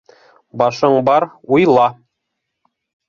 Башың бар, уйла!